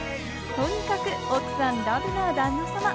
とにかく奥さんラブの旦那様。